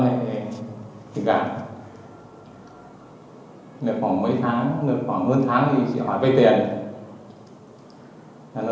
thì gặp được khoảng mấy tháng được khoảng mươi tháng thì chị hỏi về tiền